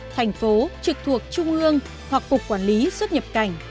thành phố trực thuộc trung ương hoặc cục quản lý xuất nhập cảnh